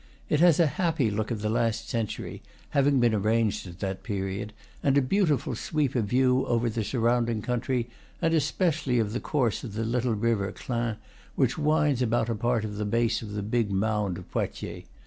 It has a happy look of the last century (having been arranged at that period), and a beautiful sweep of view over the sur rounding country, and especially of the course of the little river Clain, which winds about a part of the base of the big mound of Poitiers.